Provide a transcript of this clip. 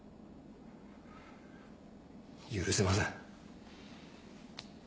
許せません。